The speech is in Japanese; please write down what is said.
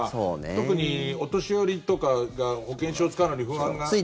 特にお年寄りとかが保険証を使うのに不安が。